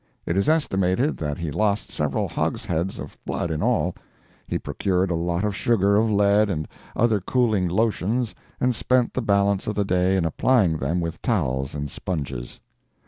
It is estimated that he lost several hogsheads of blood in all. He procured a lot of sugar of lead and other cooling lotions and spent the balance of the day in applying them with towels and sponges.